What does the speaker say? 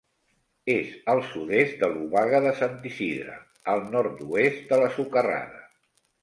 És al sud-est de l'Obaga de Sant Isidre, al nord-oest de la Socarrada.